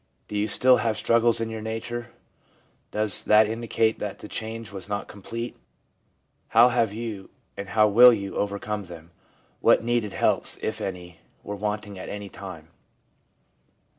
Do you still have struggles in your nature? Does that indicate that the change was not complete? How have you, and how will you, overcome them ? What needed helps, if any, were wanting at any time